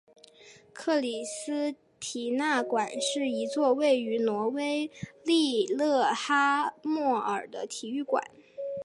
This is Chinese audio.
克里斯蒂娜馆是一座位于挪威利勒哈默尔的体育馆。